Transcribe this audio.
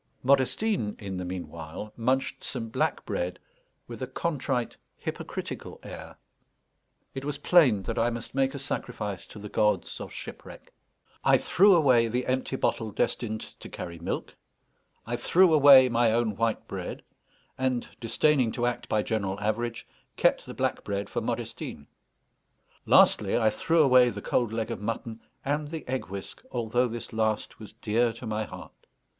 Modestine, in the meanwhile, munched some black bread with a contrite hypocritical air. It was plain that I must make a sacrifice to the gods of shipwreck. I threw away the empty bottle destined to carry milk; I threw away my own white bread, and, disdaining to act by general average, kept the black bread for Modestine; lastly, I threw away the cold leg of mutton and the egg whisk, although this last was dear to my heart.